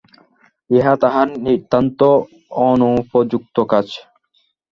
ইহা তাঁহার নিতান্ত অনুপযুক্ত কাজ।